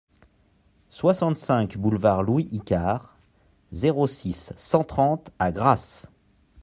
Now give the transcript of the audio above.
soixante-cinq boulevard Louis Icard, zéro six, cent trente à Grasse